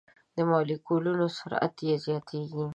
د مالیکولونو سرعت یې زیاتیږي.